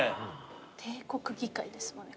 帝国議会ですもんね